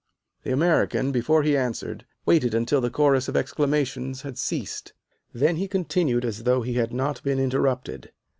The American, before he answered, waited until the chorus of exclamations had ceased. Then he continued as though he had not been interrupted.